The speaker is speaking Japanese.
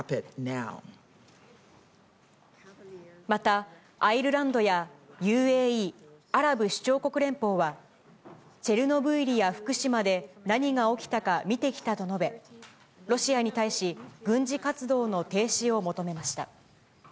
またアイルランドやＵＡＥ・アラブ首長国連邦は、チェルノブイリや福島で何が起きたか見てきたと述べ、ロシアに対し、軍事活動の停止を求めました。